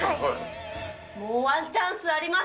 もうワンチャンスあります。